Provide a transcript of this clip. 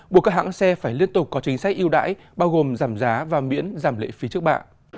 buộc các hãng xe phải liên tục có chính sách yêu đãi bao gồm giảm giá và miễn giảm lệ phí trước bạ